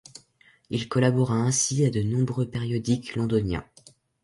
Il collabora ainsi à de nombreux périodiques londoniens.